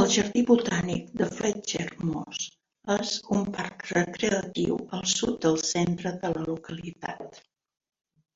El jardí botànic de Fletcher Moss és un parc recreatiu al sud del centre de la localitat.